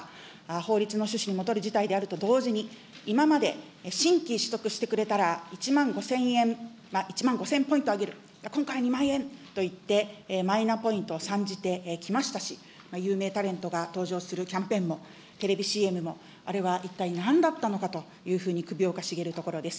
法律の趣旨にもとる事態であると同時に、今まで、新規取得してくれたら、１万５０００円、１万５０００ポイントあげる、今回、２万円といって、マイナポイントを讃辞てきましたし、有名タレントが登場するキャンペーンも、テレビＣＭも、あれは一体なんだったのかというふうに、首をかしげるところです。